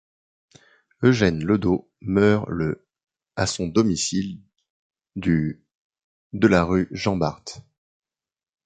Eugène Ledos meurt le à son domicile du de la rue Jean-Bart.